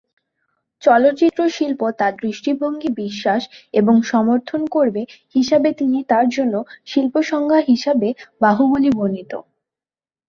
চলচ্চিত্র শিল্প তার দৃষ্টিভঙ্গি বিশ্বাস এবং সমর্থন করবে হিসাবে তিনি তার জন্য "শিল্প-সংজ্ঞা" হিসাবে বাহুবলী বর্ণিত।